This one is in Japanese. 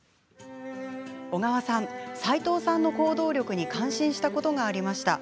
小川さん、斎藤さんの行動力に感心したことがありました。